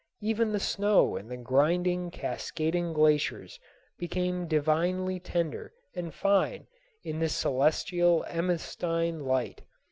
Even the snow and the grinding, cascading glaciers became divinely tender and fine in this celestial amethystine light.